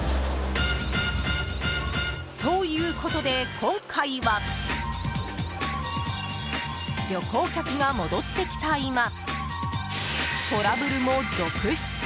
ということで今回は旅行客が戻ってきた今トラブルも続出？